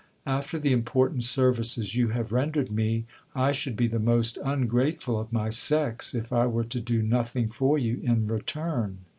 After the important services you have ren dered me, I should be the most ungrateful of my sex, if I were to do nothing for you in return.